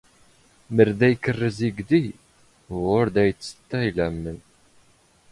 ⵎⵔ ⴷⴰ ⵉⴽⵔⵔⵣ ⵉⴳⴷⵉ, ⵓⵔ ⴷⴰ ⵉⵜⵜⵙⵜⵜⴰ ⵉⵍⴰⵎⵎⵏ